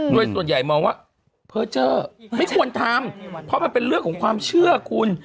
โดยส่วนใหญ่มองว่าเพอร์เจอร์ไม่ควรทำเพราะมันเป็นเรื่องของความเชื่อคุณ